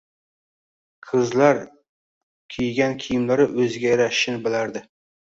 Qizlar гning kiygan kiyimlari oʻziga yarashishini bilardi